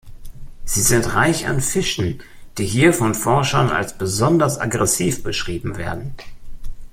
Sie sind reich an Fischen, die hier von Forschern als besonders aggressiv beschrieben werden.